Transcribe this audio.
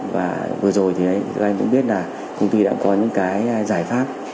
và vừa rồi thì các anh cũng biết là công ty đã có những cái giải pháp